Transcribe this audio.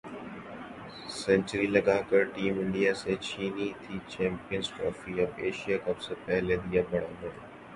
century لگا کر team India سے چھینی تھی چمپئنز ٹرافی ، اب ایشیا کپ سے پہلے دیا بڑا بیان